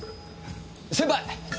先輩！